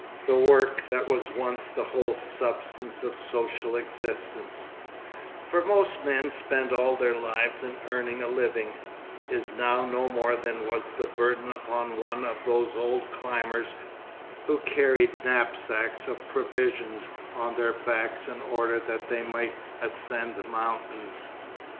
The work that was once the whole substance of social existence—for most men spent all their lives in earning a living—is now no more than was the burden upon one of those old climbers who carried knapsacks of provisions on their backs in order that they might ascend mountains.